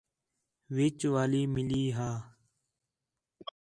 وِچ والی مِلی ہا